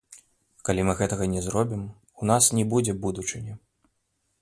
Калі мы гэтага не зробім, у нас не будзе будучыні.